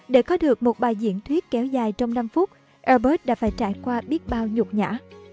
để có được một bài diễn thuyết kéo dài trong năm phút airbus đã phải trải qua biết bao nhục nhã